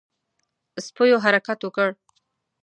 سپيو حرکت وکړ.